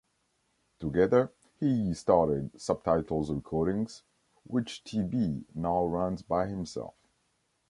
Together he started Subtitles Recordings, which Teebee now runs by himself.